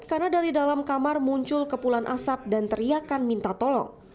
karena dari dalam kamar muncul kepulan asap dan teriakan minta tolong